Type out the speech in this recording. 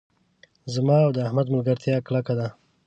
زما او احمد ملګرتیا کلکه ده.